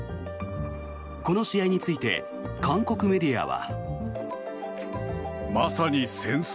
この試合について韓国メディアは。